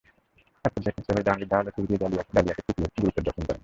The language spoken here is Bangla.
একপর্যায়ে ক্ষিপ্ত হয়ে জাহাঙ্গীর ধারালো ছুরি দিয়ে ডালিয়াকে কুপিয়ে গুরুতর জখম করেন।